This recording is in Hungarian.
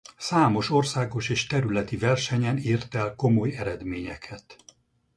Számos országos és területi versenyen ért el komoly eredményeket.